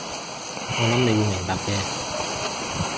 我諗你會明白嘅